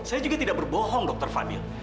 saya juga tidak berbohong dokter fadil